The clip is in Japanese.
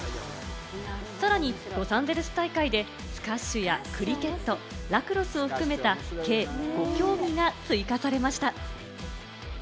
さらにロサンゼルス大会でスカッシュやクリケット、ラクロスを含めた計５競技が追加されました。